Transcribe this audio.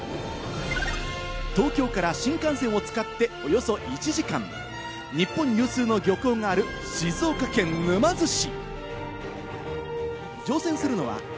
東京から新幹線を使っておよそ１時間、日本有数の漁港がある静岡県沼津市。